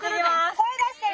声出してね！